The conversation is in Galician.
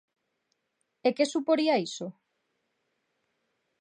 E que suporía iso?